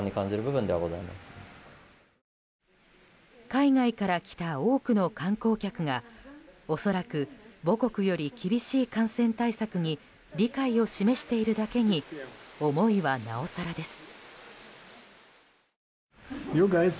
海外から来た多くの観光客が恐らく、母国より厳しい感染対策に理解を示しているだけに思いは、なおさらです。